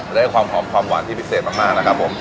ได้ความหอมความหวานที่พิเศษมากนะครับผม